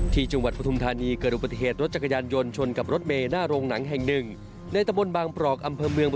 ที่จังหวัดพธุมธานีเกิดอุปัติเหตุรถจักรยานยนต์ชนกับรถเมย์